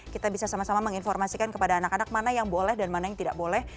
kita bisa sama sama menginformasikan kepada anak anak mana yang boleh dan mana yang tidak boleh